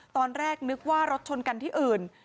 ตอนแรกนึกว่ารถชนกันที่อื่น